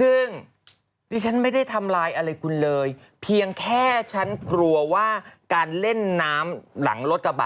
ซึ่งดิฉันไม่ได้ทำลายอะไรคุณเลยเพียงแค่ฉันกลัวว่าการเล่นน้ำหลังรถกระบะ